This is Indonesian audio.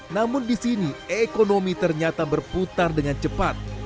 namun di sini ekonomi ternyata berputar dengan cepat